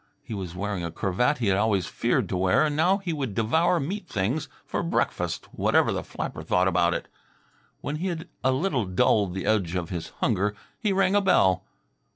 He was wearing a cravat he had always feared to wear, and now he would devour meat things for breakfast, whatever the flapper thought about it. When he had a little dulled the edge of his hunger, he rang a bell.